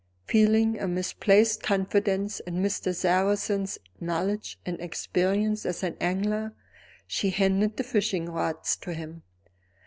Feeling a misplaced confidence in Mr. Sarrazin's knowledge and experience as an angler, she handed the fishing rods to him.